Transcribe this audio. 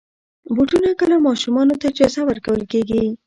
بوټونه کله ماشومانو ته جایزه ورکول کېږي.